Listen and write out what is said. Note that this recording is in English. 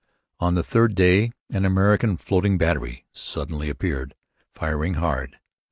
On the third day an American floating battery suddenly appeared, firing hard.